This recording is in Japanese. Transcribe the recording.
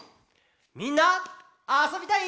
みんなあそびたい？